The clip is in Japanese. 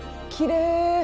きれい！